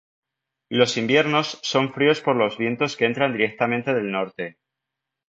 Los inviernos son fríos por los vientos que entran directamente del norte.